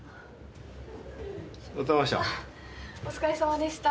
お疲れさまでした。